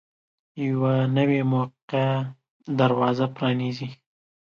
یوه نوې موقع دروازه پرانیزي.